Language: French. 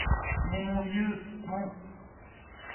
Mais mon vieux,… mon…